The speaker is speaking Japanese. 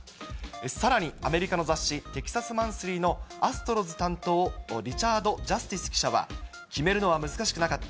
さらに、アメリカの雑誌、テキサス・マンスリーのアストロズ担当、リチャード・ジャスティス記者は、決めるのは難しくなかった。